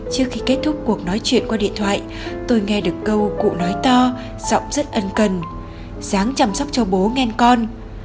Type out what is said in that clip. trước khi kết thúc cuộc nói chuyện qua điện thoại tôi nghe được câu cụ nói to giọng rất ân cần dáng chăm sóc cho bố nghe con